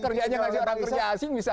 ketimpangan tidak hanya di indonesia